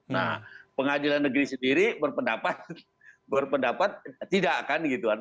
nah pengadilan negeri sendiri berpendapat tidak akan gitu